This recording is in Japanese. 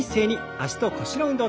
脚と腰の運動。